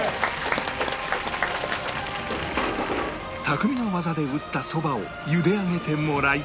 匠の技で打ったそばを茹で上げてもらい